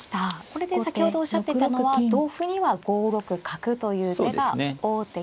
これで先ほどおっしゃっていたのは同歩には５六角という手が王手